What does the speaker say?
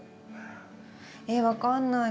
えっ分かんない。